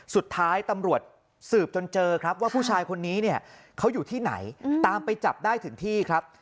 สุดท้ายตำรวจสืบจนเจอครับว่าผู้ชายคนนี้เนี่ยเขาอยู่ที่ไหนตามไปจับได้ถึงที่ครับ